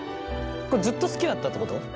これずっと好きだったってこと？